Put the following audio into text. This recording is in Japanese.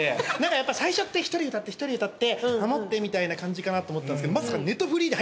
やっぱ最初って１人歌って１人歌ってハモってみたいな感じかなと思ったんですけどまさか。